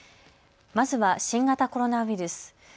まずは新型コロナウイルス。